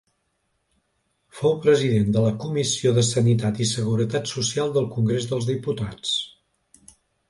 Fou president de la Comissió de Sanitat i Seguretat Social del Congrés dels Diputats.